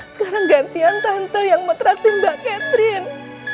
sekarang gantian tante yang metratin mbak catherine